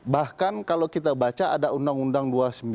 bahkan kalau kita baca ada undang undang dua puluh sembilan dua ribu tujuh